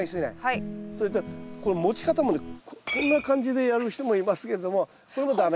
それとこの持ち方もねこんな感じでやる人もいますけどもこれも駄目。